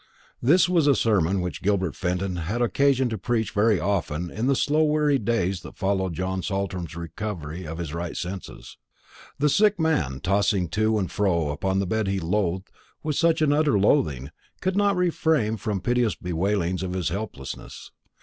This was a sermon which Gilbert Fenton had occasion to preach very often in the slow weary days that followed John Saltram's recovery of his right senses. The sick man, tossing to and fro upon the bed he loathed with such an utter loathing, could not refrain from piteous bewailings of his helplessness.